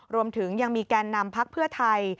รวมถึงยังมีแก่นนำพักเพื่อไทย